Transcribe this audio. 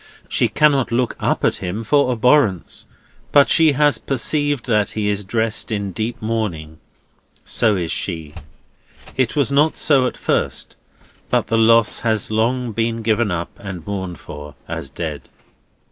She cannot look up at him for abhorrence, but she has perceived that he is dressed in deep mourning. So is she. It was not so at first; but the lost has long been given up, and mourned for, as dead.